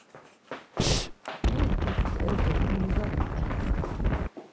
İrdit e do imbralit ya.